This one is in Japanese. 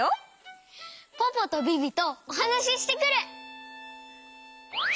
ポポとビビとおはなししてくる！